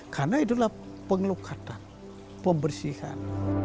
karena itulah pengelukatan pembersihan